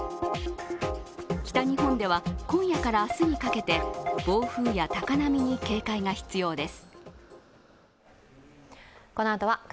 北日本では今夜から明日にかけて暴風や高波に警戒が必要です。